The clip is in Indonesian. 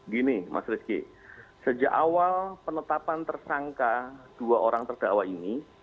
gini mas rizky sejak awal penetapan tersangka dua orang terdakwa ini